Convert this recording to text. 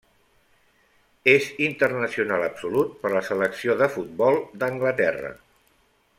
És internacional absolut per la selecció de futbol d'Anglaterra.